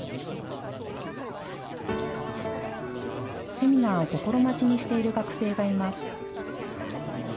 セミナーを心待ちにしている学生がいます。